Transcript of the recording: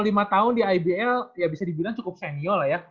kalau lima tahun di ibl ya bisa dibilang cukup senior lah ya